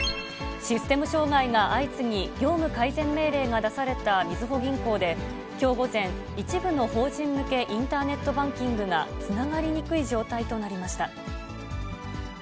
システム障害が相次ぎ、業務改善命令が出されたみずほ銀行で、きょう午前、一部の法人向けインターネットバンキングがつながりにくい状態となりました。